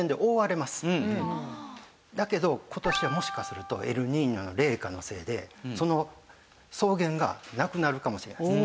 だけど今年はもしかするとエルニーニョの冷夏のせいでその草原がなくなるかもしれないです。